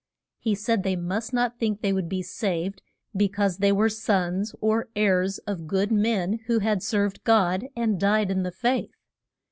He said they must not think they would be saved be cause they were sons or heirs of good men who had served God and died in the faith.